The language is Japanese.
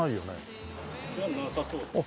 じゃなさそうです。